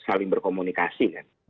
jadi tahapannya masih sebatas